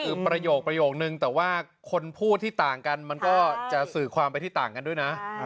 คือประโยคประโยคนึงแต่ว่าคนพูดที่ต่างกันมันก็จะสื่อความไปที่ต่างกันด้วยนะ